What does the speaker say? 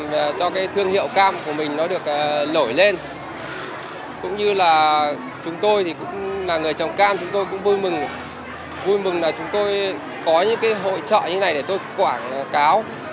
vui mừng là chúng tôi có những hội trợ như thế này để tôi quảng cáo